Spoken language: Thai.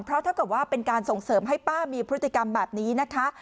เพราะเท่ากับว่าเป็นการส่งเสริมให้ป้ามีพฤติกรรมแบบนี้นะคะ